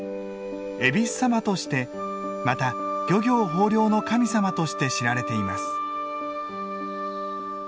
えびす様としてまた漁業豊漁の神様として知られています。